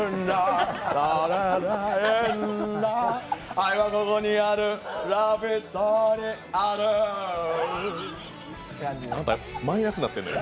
愛はここにある、「ラヴィット！」にあるマイナスになってんのよ